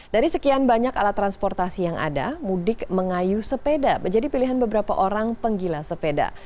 dari sekian banyak alat transportasi yang ada mudik mengayuh sepeda menjadi pilihan beberapa orang penggila sepeda